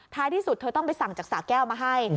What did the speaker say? ที่สุดเธอต้องไปสั่งจากสาแก้วมาให้